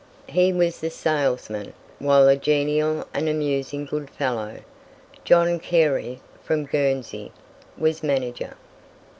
He was the salesman, while a genial and amusing good fellow, John Carey, from Guernsey, was manager.